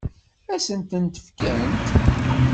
Ad sen-tent-fkent?